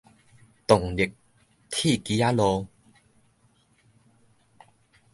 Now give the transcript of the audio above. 動力鐵枝仔路